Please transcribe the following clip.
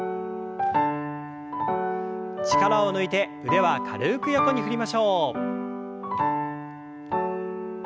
力を抜いて腕は軽く横に振りましょう。